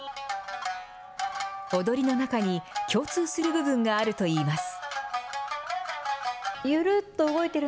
踊りの中に共通する部分があるといいます。